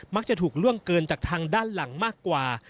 จะถูกล่วงเกินจากทางด้านหลังมากกว่า